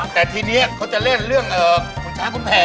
แต่ทีนี้เขาจะเล่นเรื่องคุณช้างคุณแผ่